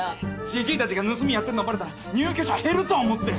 じじいたちが盗みやってるのバレたら入居者減ると思って。